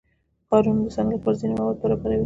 ښارونه د صنعت لپاره ځینې مواد برابروي.